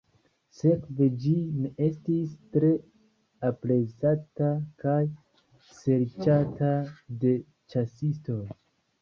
Sekve ĝi ne estis tre aprezata kaj serĉata de ĉasistoj.